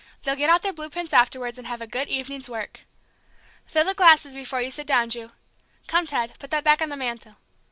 "They'll get out their blue prints afterwards and have a good evening's work. Fill the glasses before you sit down, Ju. Come, Ted put that back on the mantel.